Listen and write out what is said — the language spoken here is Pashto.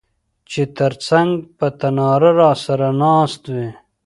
چي تر څنګ په تناره راسره ناست وې